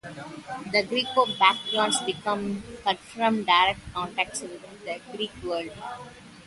The Greco-Bactrians became cut from direct contacts with the Greek world.